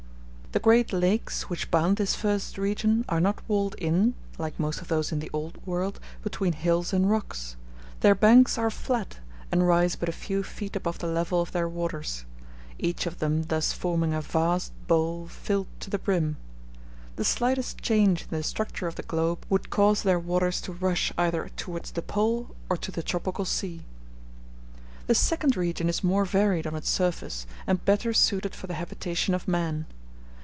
The great lakes which bound this first region are not walled in, like most of those in the Old World, between hills and rocks. Their banks are flat, and rise but a few feet above the level of their waters; each of them thus forming a vast bowl filled to the brim. The slightest change in the structure of the globe would cause their waters to rush either towards the Pole or to the tropical sea. The second region is more varied on its surface, and better suited for the habitation of man.